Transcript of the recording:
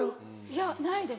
いやないです。